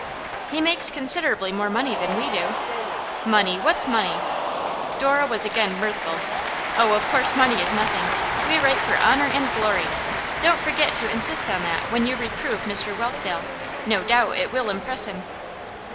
'He makes considerably more money than we do.' 'Money! What's money?' Dora was again mirthful. 'Oh, of course money is nothing! We write for honour and glory. Don't forget to insist on that when you reprove Mr Whelpdale; no doubt it will impress him.